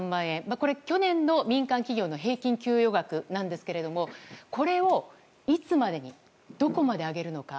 これは去年の民間企業の平均給与額ですがこれを、いつまでにどこまで上げるのか。